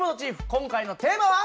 今回のテーマは？